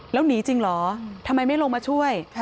แล้วหนีจริงเหรอทำไมไม่ลงมาช่วย